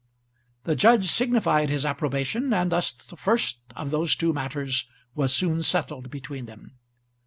The judge signified his approbation, and thus the first of those two matters was soon settled between them.